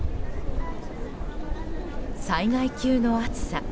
災害級の暑さ。